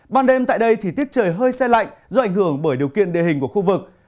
ban đêm tại đây thì tiết trời hơi xe lạnh do ảnh hưởng bởi điều kiện địa hình của khu vực